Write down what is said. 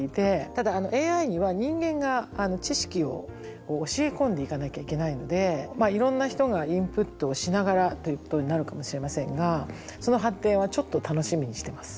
ただＡＩには人間が知識を教え込んでいかなきゃいけないのでいろんな人がインプットをしながらということになるかもしれませんがその発展はちょっと楽しみにしてます。